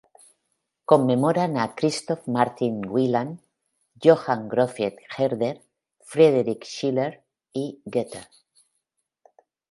Conmemoran a Christoph Martin Wieland, Johann Gottfried Herder, Friedrich Schiller y Goethe.